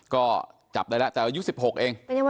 ก็จับได้แล้วแต่อายุ๑๖เอง